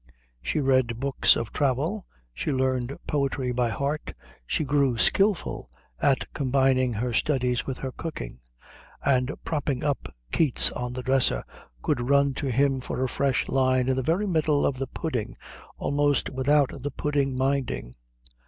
She read books of travel, she learned poetry by heart, she grew skilful at combining her studies with her cooking; and propping up Keats on the dresser could run to him for a fresh line in the very middle of the pudding almost without the pudding minding.